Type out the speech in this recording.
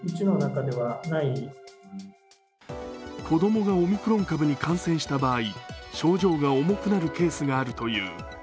子供がオミクロン株に感染した場合、症状が重くなるケースがあるという。